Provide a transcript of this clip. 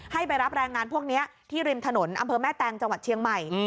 ให้ไปรับแรงงานพวกนี้ที่ริมถนนอำเภอแม่แตงจังหวัดเชียงใหม่